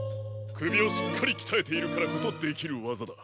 くびをしっかりきたえているからこそできるわざだ。